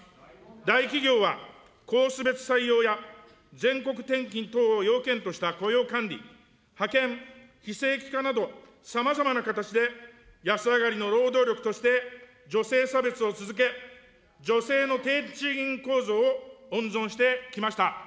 大企業は、コース別採用や、全国転勤等を要件とした雇用管理、派遣、非正規化など、さまざまな形で安上がりの労働力として女性差別を続け、女性の低賃金構造を温存してきました。